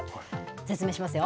説明しますよ。